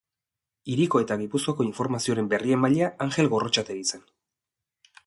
Hiriko eta Gipuzkoako informazioaren berriemailea Angel Gorrotxategi zen.